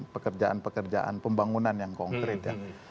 pekerjaan pekerjaan pembangunan yang konkret ya